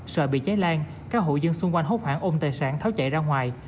sợ bị cháy lan các hộ dân xung quanh hốt hoảng ôm tài sản tháo chạy ra ngoài